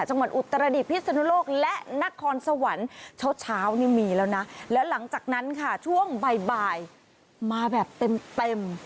จังหวัดอุตรดิษฐพิศนุโลกและนครสวรรค์เช้าเช้านี่มีแล้วนะแล้วหลังจากนั้นค่ะช่วงบ่ายมาแบบเต็มเต็ม